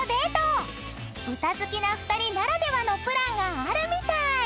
［歌好きな２人ならではのプランがあるみたい］